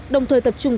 đồng thời tập trung